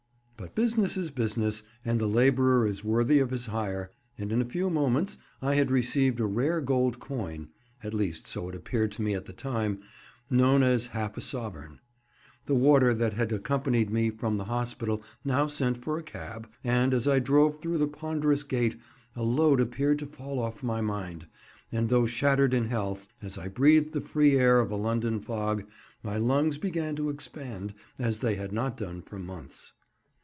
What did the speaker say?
But business is business, and the labourer is worthy of his hire, and in a few moments I had received a rare gold coin (at least so it appeared to me at the time), known as half a sovereign. The warder that had accompanied me from the hospital now sent for a cab, and as I drove through the ponderous gate a load appeared to fall off my mind, and though shattered in health, as I breathed the free air of a London fog, my lungs began to expand as they had not done for months.